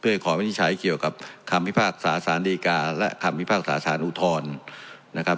เพื่อให้ขอวินิจฉัยเกี่ยวกับคำพิพากษาสารดีกาและคำพิพากษาสารอุทธรณ์นะครับ